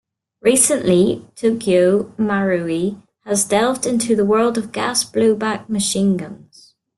Recently, Tokyo Marui has delved into the world of Gas Blowback Machine Guns.